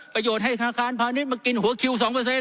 ประโยชน์ให้ธนาคารพาณิชย์มากินหัวคิว๒